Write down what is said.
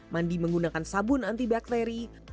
mandi menggunakan sabun antibakteri